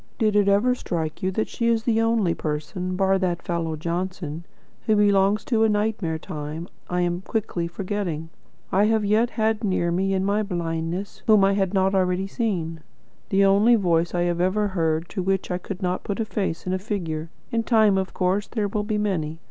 Did it ever strike you that she is the only person bar that fellow Johnson, who belongs to a nightmare time I am quickly forgetting I have yet had near me, in my blindness, whom I had not already seen; the only voice I have ever heard to which I could not put a face and figure? In time, of course, there will be many.